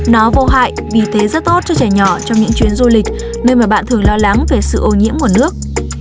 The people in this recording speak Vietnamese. nó vô hại vì thế rất tốt cho trẻ nhỏ trong những chuyến du lịch nơi mà bạn thường lo lắng về sự ô nhiễm nguồn nước